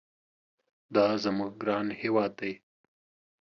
دا زموږ ګران هېواد دي.